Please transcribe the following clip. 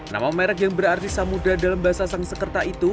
nama merek yang berarti samudera dalam bahasa sang sekerta itu